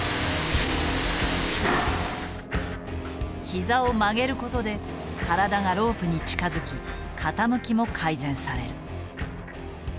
膝を曲げることで体がロープに近づき傾きも改善される。